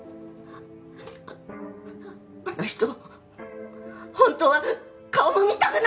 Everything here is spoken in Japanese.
あんな人本当は顔も見たくない！